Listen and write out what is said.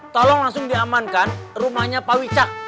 tolong langsung diamankan rumahnya pak wicak